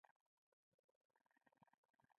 افغانستان کې د غرونو او غونډیو ښایسته منظرې شته